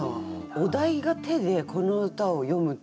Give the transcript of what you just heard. お題が「手」でこの歌をよむ。